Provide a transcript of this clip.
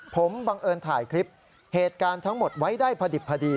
ผมบังเอิญถ่ายคลิปเหตุการณ์ทั้งหมดไว้ได้พอดิบพอดี